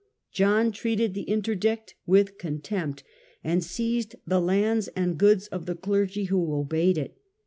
John treated the Interdict with contempt, and seized the lands and goods of the clergy who obeyed it.